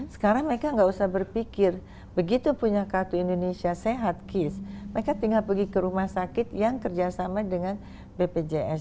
sekarang mereka nggak usah berpikir begitu punya kartu indonesia sehat kis mereka tinggal pergi ke rumah sakit yang kerjasama dengan bpjs